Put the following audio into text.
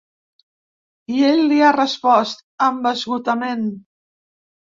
I ell li ha respost: Amb esgotament.